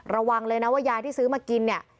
ระวังเลยนะว่ายาที่ซื้อมากินเนี่ย